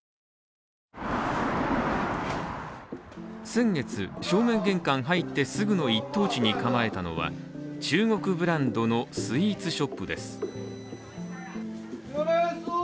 先月、正面玄関入ってすぐの１等地に構えたのは中国ブランドのスイーツショップです。